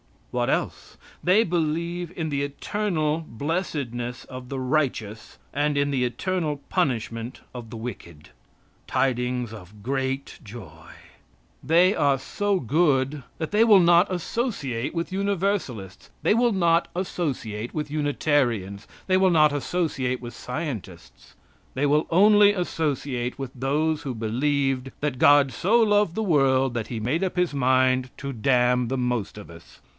What else? They believe in the eternal blessedness of the righteous, and in the eternal punishment of the wicked. Tidings of great joy! They are so good that they will not associate with Universalists. They will not associate with Unitarians. They will not associate with scientists. They will only associate with those who believed that God so loved the world that He made up his mind to damn the most of us.